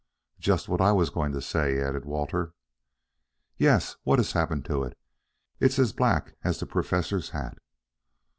"Just what I was going to say," added Walter. "Yes, what has happened to it? It's as black as the Professor's hat."